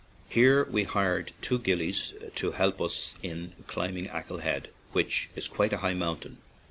Here we hired two gillies to help us in climbing Achill Head, which is quite a high mountain.